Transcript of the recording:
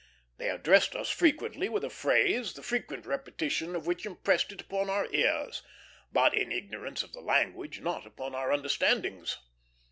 They addressed us frequently with a phrase, the frequent repetition of which impressed it upon our ears, but, in our ignorance of the language, not upon our understandings.